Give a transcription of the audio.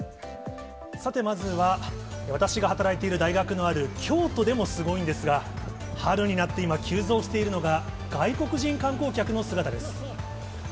さてまずは、私が働いている大学のある京都でもすごいんですが、春になって今、急増しているのが外国人観光客の姿です。